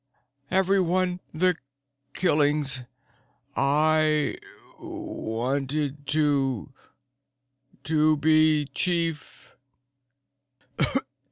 Everyone the killings I wanted to to be chief.